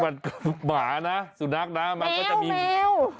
มันคือหมานะสุนัขนะมันก็จะมีแมว